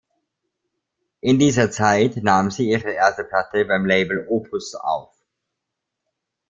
In dieser Zeit nahm sie ihre erste Platte beim Label "Opus" auf.